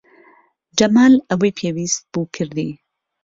جەمال ئەوەی پێویست بوو کردی.